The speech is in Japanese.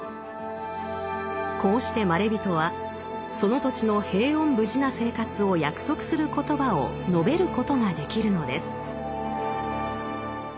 こうしてまれびとはその土地の平穏無事な生活を約束する言葉を述べることができるのです。